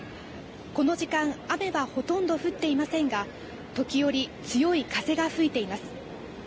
この時間雨はほとんど降っていませんが時折、強い風が吹いています。